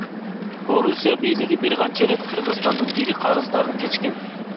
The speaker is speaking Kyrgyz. Орусия бийлиги бир канча ирет Кыргызстандын ири карыздарын кечкен.